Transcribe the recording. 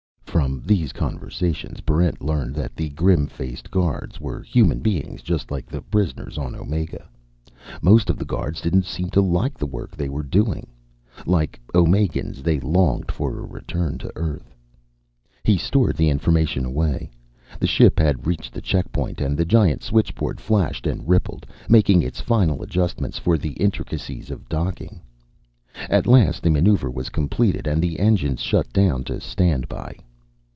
From these conversations, Barrent learned that the grim faced guards were human beings, just like the prisoners on Omega. Most of the guards didn't seem to like the work they were doing. Like Omegans, they longed for a return to Earth. He stored the information away. The ship had reached the checkpoint, and the giant switchboard flashed and rippled, making its final adjustments for the intricacies of docking. At last the maneuver was completed and the engines shut down to stand by.